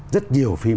rất nhiều phim